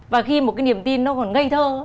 và khi một cái niềm tin nó còn ngây thơ